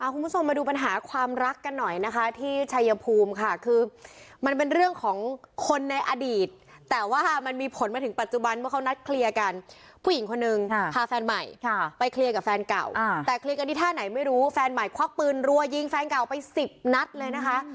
คุณผู้ชมมาดูปัญหาความรักกันหน่อยนะคะที่ชายภูมิค่ะคือมันเป็นเรื่องของคนในอดีตแต่ว่ามันมีผลมาถึงปัจจุบันว่าเขานัดเคลียร์กันผู้หญิงคนนึงพาแฟนใหม่ไปเคลียร์กับแฟนเก่าแต่เคลียร์กันที่ท่าไหนไม่รู้แฟนใหม่ควักปืนรัวยิงแฟนเก่าไปสิบนัดเลยนะคะ